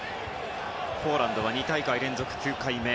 ポーランドは２大会連続９回目。